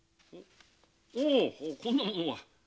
おおこんなものが。